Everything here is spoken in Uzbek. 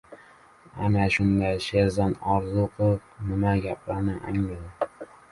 Ana shunda serjant Orziqulov nima gapligini angladi.